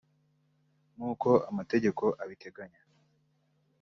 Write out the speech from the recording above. nk’uko amategeko abiteganya